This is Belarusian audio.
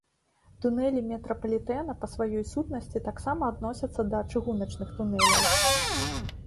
Тунэлі метрапалітэна па сваёй сутнасці таксама адносяцца да чыгуначных тунэляў.